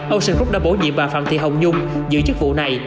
ocean group đã bổ nhiệm bà phạm thị hồng nhung giữ chức vụ này